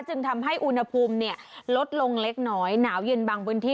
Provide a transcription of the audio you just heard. จึงทำให้อุณหภูมิลดลงเล็กน้อยหนาวเย็นบางพื้นที่